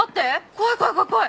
怖い怖い怖い怖い。